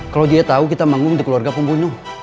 kalo dia tau kita manggung di keluarga pembunuh